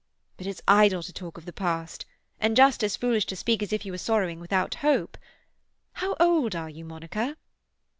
But it's idle to talk of the past, and just as foolish to speak as if you were sorrowing without hope. How old are you, Monica?"